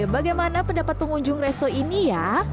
bagaimana pendapat pengunjung resto ini ya